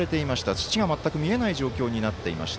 土が全く見えない状況になっていました。